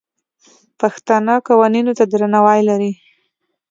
پښتانه قوانینو ته درناوی لري.